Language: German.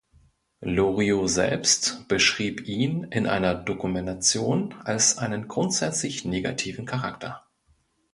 Loriot selbst beschrieb ihn in einer Dokumentation als einen grundsätzlich negativen Charakter.